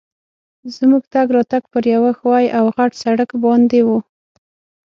زموږ تګ راتګ پر یوه ښوي او غټ سړک باندي وو.